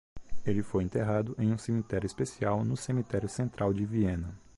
Ele foi enterrado em um cemitério especial no cemitério central de Viena.